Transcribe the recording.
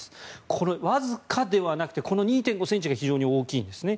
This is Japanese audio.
これ、わずかではなくてこの２．５ｃｍが非常に大きいんですね。